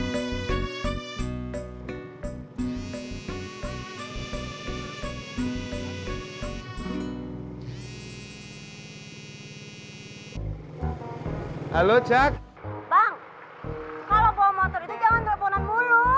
kalau bawa motor itu jangan teleponan mulu